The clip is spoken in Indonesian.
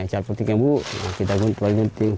cara putihnya saya guntur guntur potong sampai sini